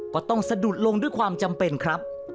ก็ต้องสะดุดลงด้วยความจำเป็นครับ